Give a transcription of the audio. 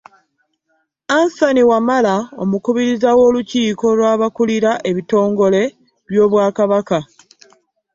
Anthony Wamala omukubiriza w’olukiiko lw’abakulira ebitongole by’Obwakabaka.